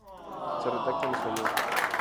Se redacta en español.